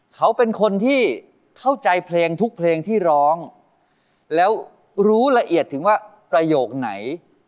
เขาเป็นคนที่เข้าใจเพลงทุกเพลงที่ร้องแล้วรู้ละเอียดถึงว่าประโยคไหน